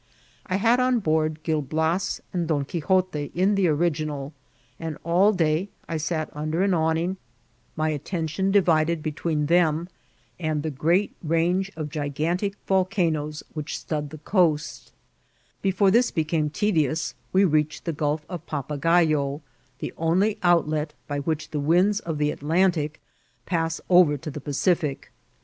I had on board Gil Bias and Don Quixote in the original, and all day I sat under an awning, my at tention divided between them and the great range of gigantic volcanoes which stud the coast Before this became tedious we reached the Gulf of Papajayo, the only outlet by which the winds o£ the Atlantic pass over to the Pacific.